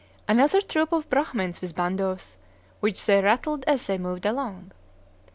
Another troop of Brahmins with bandos, which they rattled as they moved along.